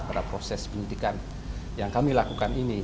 pada proses penyidikan yang kami lakukan ini